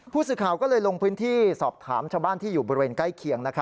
ผู้สื่อข่าวก็เลยลงพื้นที่สอบถามชาวบ้านที่อยู่บริเวณใกล้เคียง